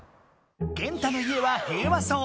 ゲンタの家は平和そう。